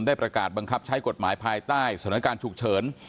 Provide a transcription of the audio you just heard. ประกาศบังคับใช้กฎหมายภายใต้สถานการณ์ฉุกเฉิน